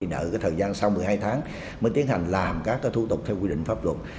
nợ thời gian sau một mươi hai tháng mới tiến hành làm các thủ tục theo quy định pháp luật